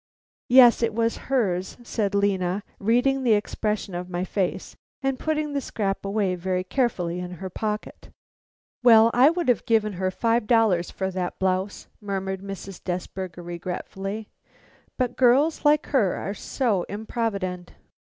"Yes, it was hers," said Lena, reading the expression of my face, and putting the scrap away very carefully in her pocket. "Well, I would have given her five dollars for that blouse," murmured Mrs. Desberger, regretfully. "But girls like her are so improvident."